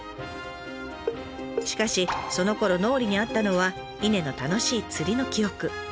しかしそのころ脳裏にあったのは伊根の楽しい釣りの記憶。